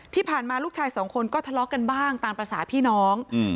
ที่ผ่านมาลูกชายสองคนก็ทะเลาะกันบ้างตามภาษาพี่น้อง